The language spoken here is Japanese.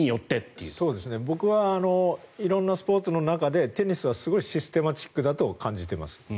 僕は色んなスポーツの中でテニスはすごいシステマチックだと感じています。